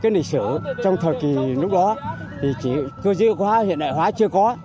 cái lịch sử trong thời kỳ lúc đó thì chưa dư quá hiện đại hóa chưa có